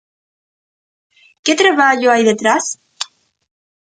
Que traballo hai detrás?